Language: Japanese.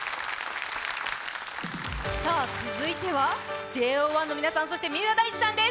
続いてはＪＯ１の皆さん、そして三浦大知さんです。